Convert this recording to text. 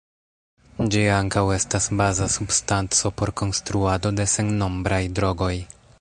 Ĝi ankaŭ estas baza substanco por konstruado de sennombraj drogoj.